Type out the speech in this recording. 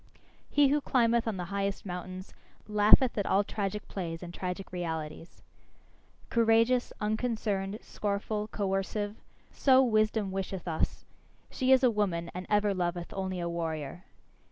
He who climbeth on the highest mountains, laugheth at all tragic plays and tragic realities. Courageous, unconcerned, scornful, coercive so wisdom wisheth us; she is a woman, and ever loveth only a warrior.